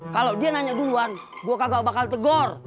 kalau dia nanya duluan gue kagak bakal tegur